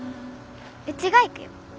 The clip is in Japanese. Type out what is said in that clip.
うちが行くよ。